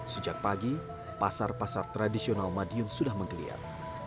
sejak pagi pasar pasar tradisional madiun sudah menggeliat